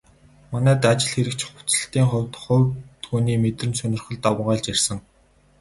Манайд ажил хэрэгч хувцаслалтын хувьд хувь хүний мэдрэмж, сонирхол давамгайлж ирсэн.